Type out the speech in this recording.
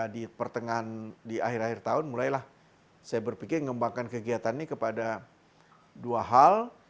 di pertengahan di akhir akhir tahun mulailah saya berpikir mengembangkan kegiatan ini kepada dua hal